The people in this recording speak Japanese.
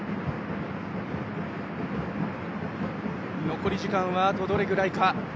残り時間はあとどれぐらいか。